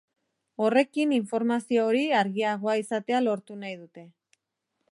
Horrekin informazio hori argiagoa izatea lortu nahi dute.